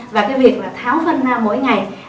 và cái việc tháo phân ra mỗi ngày